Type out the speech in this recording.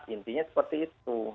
intinya seperti itu